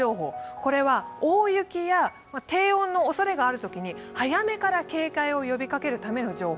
これは大雪や低温のおそれがあるときに早めから警戒を呼びかけるための情報。